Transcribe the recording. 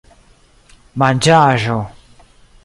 manĝaĵo